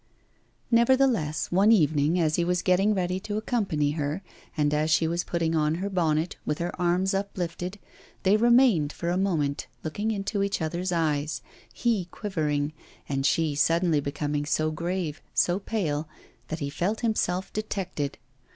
Nevertheless, one evening as he was getting ready to accompany her, and as she was putting on her bonnet, with her arms uplifted, they remained for a moment looking into each other's eyes, he quivering, and she suddenly becoming so grave, so pale, that he felt himself detected.